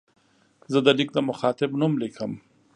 زه د لیک د مخاطب نوم لیکم.